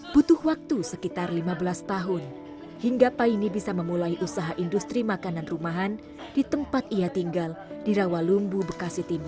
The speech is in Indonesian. butuh waktu sekitar lima belas tahun hingga paine bisa memulai usaha industri makanan rumahan di tempat ia tinggal di rawalumbu bekasi timur